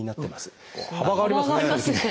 幅がありますね。